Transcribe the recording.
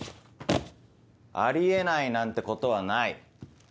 あり得ないなんてことはない。